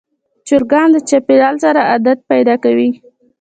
چرګان د چاپېریال سره عادت پیدا کوي.